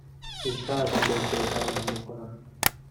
بیشتر از آن بود که بتوانم بخورم.